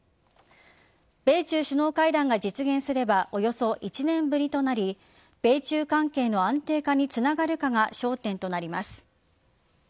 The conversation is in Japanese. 米中首脳会談が実現すればおよそ１年ぶりとなり米中関係の安定化につながるかが焦点となります。